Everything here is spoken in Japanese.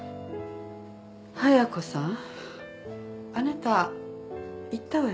亜矢子さんあなた言ったわよね。